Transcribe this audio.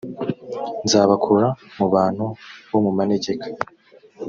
nzabakura mu bantu bo mumanegek